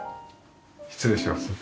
失礼します。